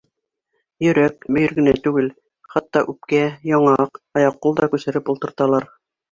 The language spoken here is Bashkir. Йөрәк, бөйөр генә түгел, хатта үпкә, яңаҡ, аяҡ-ҡул да күсереп ултырталар.